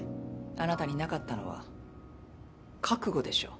あなたになかったのは覚悟でしょう。